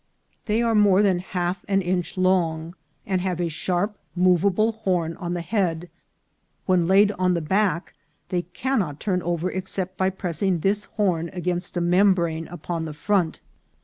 They are more than half an inch long, and have a sharp movable horn on the head ; when laid on the back they cannot turn over ex cept by pressing this horn against a membrane upon the front.